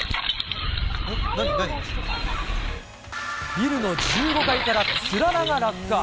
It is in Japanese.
ビルの１５階からつららが落下。